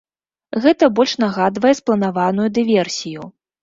Гэта больш нагадвае спланаваную дыверсію.